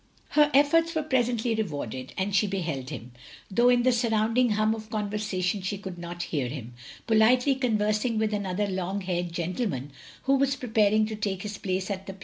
Her efforts were presently rewarded, and she beheld him, — ^though in the surrounding hum of conversation she could not hear him — politely conversing with another long haired gentleman who was preparing to take his place at the piano.